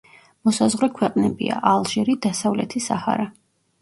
მოსაზღვრე ქვეყნებია: ალჟირი, დასავლეთი საჰარა.